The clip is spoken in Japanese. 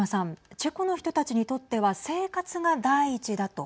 チェコの人たちにとっては生活が第一だと。